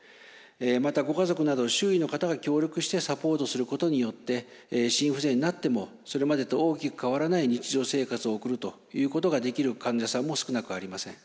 またご家族など周囲の方が協力してサポートすることによって心不全になってもそれまでと大きく変わらない日常生活を送るということができる患者さんも少なくありません。